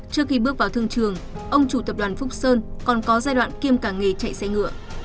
trước khi bước vào thương trường ông chủ tập đoàn phúc sơn còn có giai đoạn kiêm cả nghề chạy xe ngựa